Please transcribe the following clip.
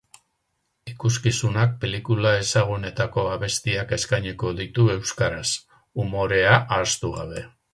Ikuskizunak pelikula ezagunetako abestiak eskainiko ditu euskaraz, umorea ahaztu gabe.